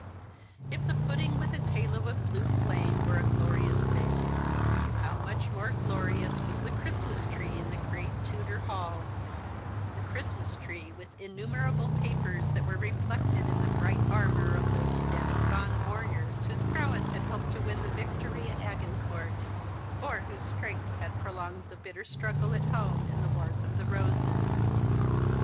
If the pudding with its halo of blue flame were a glorious thing, how much more glorious was the Christmas tree in the great Tudor hall, the Christmas tree with innumerable tapers that were reflected in the brig ht armour of those dead and gone warriors whose prowess had helped to win victory at Agincourt, or whose U2 The Christmas Hirelings. vStrengtli had prolonged the bitter struggle at home in the Wars of the Eoses.